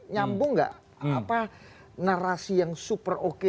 nyambung tidak narasi yang super oke